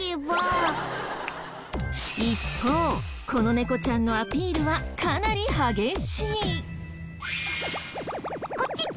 一方この猫ちゃんのアピールはかなり激しい。